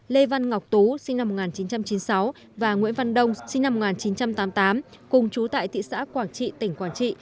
lê văn ngọc tú sinh năm một nghìn chín trăm chín mươi sáu và nguyễn văn đông sinh năm một nghìn chín trăm tám mươi tám cùng chú tại thị xã quảng trị tỉnh quảng trị